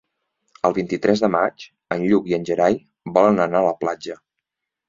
El vint-i-tres de maig en Lluc i en Gerai volen anar a la platja.